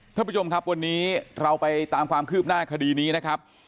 ท่านผู้ชมครับวันนี้เราไปตามความคืบหน้าคดีนี้นะครับ